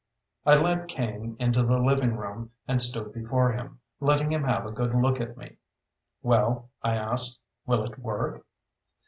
I led Kane into the living room and stood before him, letting him have a good look at me. "Well," I asked, "will it work?"